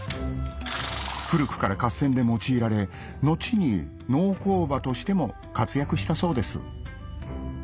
古くから合戦で用いられ後に農耕馬としても活躍したそうです